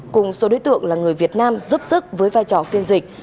cùng số đối tượng là người việt nam giúp sức với vai trò phiên dịch